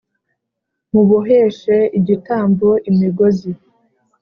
Muboheshe igitambo imigozi